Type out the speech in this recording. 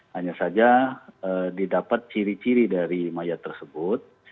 hanya saja didapat ciri ciri dari mayat tersebut